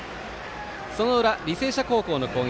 その裏、履正社高校の攻撃。